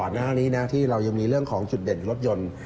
หน้านี้นะที่เรายังมีเรื่องของจุดเด่นรถยนต์